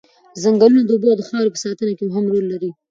ځنګلونه د اوبو او خاورې په ساتنه کې مهم رول لري.